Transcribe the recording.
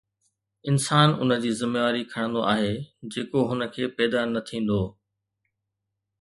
انسان ان جي ذميواري کڻندو آهي جيڪو هن کي پيدا نه ٿيندو